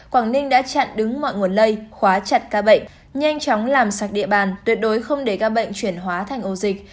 quảng ninh đã chặn đứng mọi nguồn lây khóa chặt ca bệnh nhanh chóng làm sạch địa bàn tuyệt đối không để ca bệnh chuyển hóa thành ổ dịch